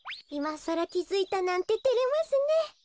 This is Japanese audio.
いまさらきづいたなんててれますね。